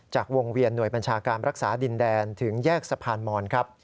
จากวงเวียนหน่วยบัญชาการรักษาดินแดนถึงแยกสะพานมอนครับ